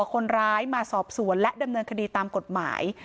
คนร้ายมาสอบสวนและดำเนินคดีตามกฎหมาย